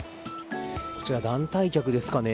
こちら、団体客ですかね。